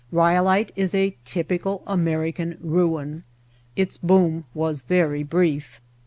Ryolite is a typical American ruin. Its boom was very brief.